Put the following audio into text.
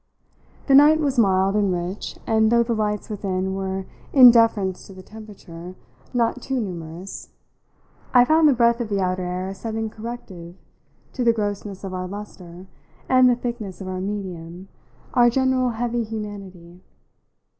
The night was mild and rich, and though the lights within were, in deference to the temperature, not too numerous, I found the breath of the outer air a sudden corrective to the grossness of our lustre and the thickness of our medium, our general heavy humanity.